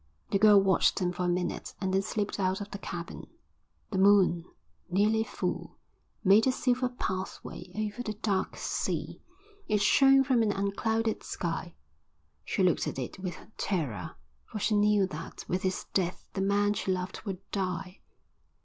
The girl watched him for a minute and then slipped out of the cabin. The moon, nearly full, made a silver pathway over the dark sea. It shone from an unclouded sky. She looked at it with terror, for she knew that with its death the man she loved would die.